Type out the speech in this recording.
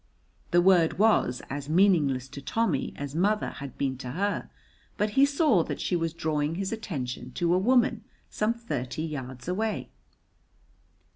The word was as meaningless to Tommy as mother had been to her, but he saw that she was drawing his attention to a woman some thirty yards away.